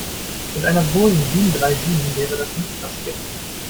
Mit einer Boeing sieben-drei-sieben wäre das nicht passiert.